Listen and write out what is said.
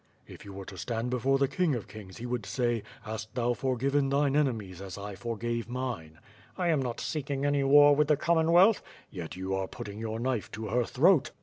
" "If you were to stand before the King of Kings he would say: 'Ilast thou forgiven thine enemies as I forgave mine?'" "I am not seeking any war with the Commonwealth!" "Yet you are putting your knife to her throat!"